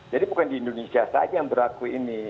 jadi bukan di indonesia saja yang berlaku ini